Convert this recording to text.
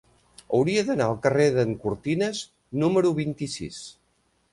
Hauria d'anar al carrer d'en Cortines número vint-i-sis.